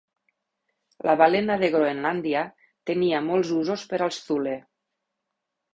La balena de Groenlàndia tenia molts usos per als thule.